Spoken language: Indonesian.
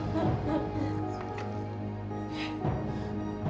aku akan memusnahkanmu